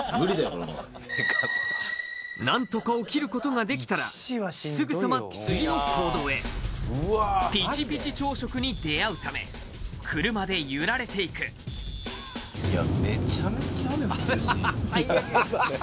このまま何とか起きることができたらすぐさま次の行動へピチピチ朝食に出会うため車で揺られていくいや